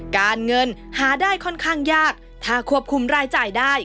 การเงินหาได้ค่อนข้างยากถ้าควบคุมรายจ่ายได้